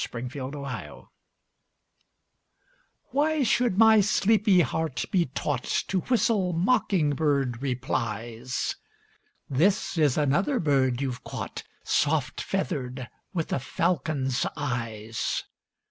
THE FALCON Why should my sleepy heart be taught To whistle mocking bird replies? This is another bird you've caught, Soft feathered, with a falcon's eyes.